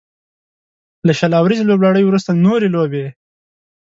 له شل اوريزې لوبلړۍ وروسته نورې لوبې